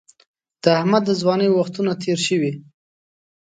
د احمد د ځوانۍ وختونه تېر شوي.